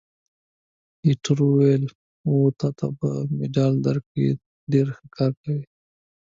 ایټور وویل: اوه، تا ته به مډال درکړي! دا ډېر ښه کار دی.